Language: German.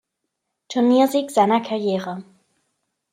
Turniersieg seiner Karriere.